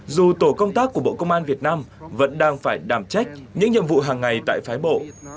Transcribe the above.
dù tổ công tác của bộ công an việt nam vẫn đang phải đảm trách những nhiệm vụ hàng ngày tại phái bộ